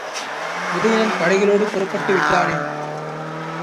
உதயணன் படைகளோடு புறப்பட்டு விட்டானே!